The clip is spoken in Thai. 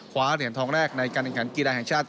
ขวาเหลี่ยนทองแรกในการกังขันกีฬาแห่งชาติ